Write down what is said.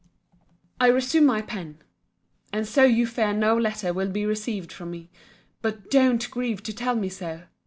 I resume my pen! And so you fear no letter will be received from me. But DON'T grieve to tell me so!